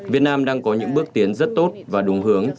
việt nam đang có những bước tiến rất tốt và đúng hướng